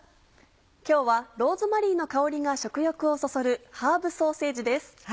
今日はローズマリーの香りが食欲をそそる「ハーブソーセージ」です。